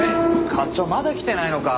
課長まだ来てないのか。